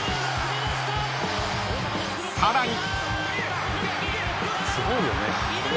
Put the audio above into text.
［さらに］